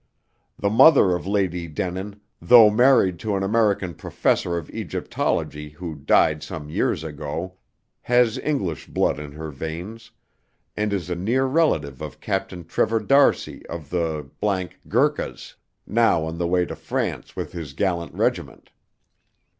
The mother of Lady Denin, though married to an American professor of Egyptology who died some years ago, has English blood in her veins; and is a near relative of Captain Trevor d'Arcy of the th Gurkhas, now on the way to France with his gallant regiment.